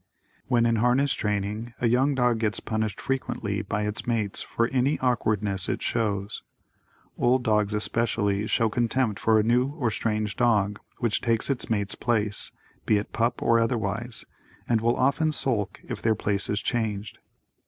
When in harness training a young dog gets punished frequently by its mates for any awkwardness it shows. Old dogs especially show contempt for a new or strange dog which takes its mate's place, be it pup or otherwise, and will often sulk if their place is changed.